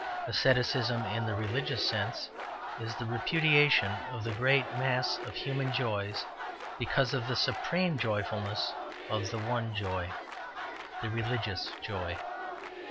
Asceticism, in the religious sense, is the repudiation of the great mass of human joys because of the supreme joyfulness of the one joy, the religious joy.